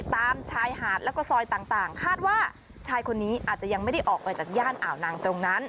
ตามชายหาดแล้วก็ซอยต่างคาดว่าชายคนนี้อาจจะยังไม่ได้ออกไปจากย่านอ่าวนางตรงนั้น